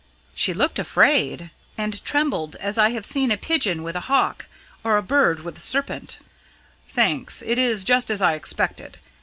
"She looked frightened, and trembled just as I have seen a pigeon with a hawk, or a bird with a serpent." "Thanks. It is just as I expected.